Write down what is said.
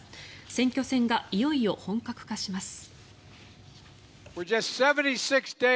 選挙戦がいよいよ本格化します。